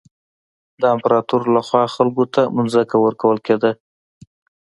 د امپراتور له خوا خلکو ته ځمکه ورکول کېده.